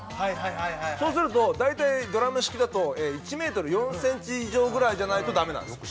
そうすると大体ドラム式だと１メートル４センチ以上ぐらいじゃないとダメなんですよ。